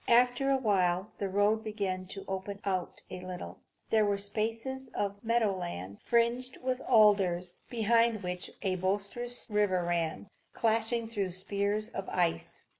After a while the road began to open out a little. There were spaces of meadow land, fringed with alders, behind which a boisterous river ran, clashing through spears of ice.